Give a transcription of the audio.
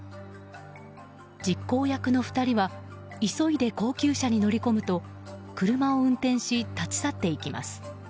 実行役の２人は急いで高級車に乗り込むと車を運転し、立ち去っていきます。